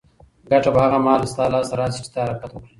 ګټه به هغه مهال ستا لاس ته راشي چې ته حرکت وکړې.